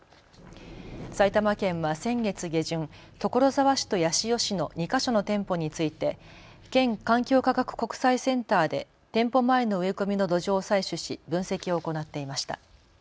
埼玉県は先月下旬、所沢市と八潮市の２か所の店舗について県環境科学国際センターで店舗前の植え込みの土壌を採取し分析を行っていました。